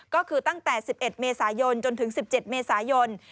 ก็คือตั้งแต่๑๑เมษายนจนถึง๑๗เมษายน